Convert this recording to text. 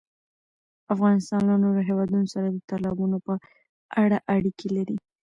افغانستان له نورو هېوادونو سره د تالابونو په اړه اړیکې لري.